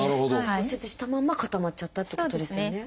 骨折したまんま固まっちゃったっていうことですよね。